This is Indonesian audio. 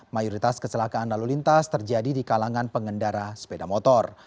mayoritas kecelakaan lalu lintas terjadi di kalangan pengendara sepeda motor